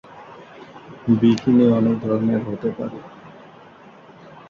Bikini অনেক ধরনের হতে পারে।